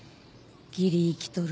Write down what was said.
「ギリ生きとる。